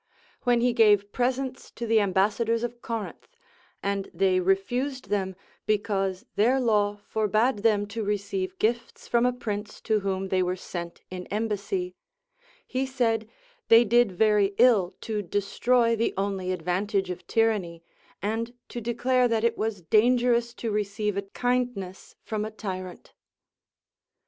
When he gave presents to the ambassadors of Corinth, and they refused them because their law forbade them to receive gifts from a prince to Avhom they were sent in embassy, he said they did very ill to destroy the only advantage of tyranny, and to declare that it was dangerous to receive a kindness from a tyrant.